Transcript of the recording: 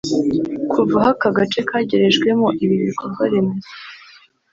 Kuva aho aka gace kagerejwemo ibi bikorwa remezo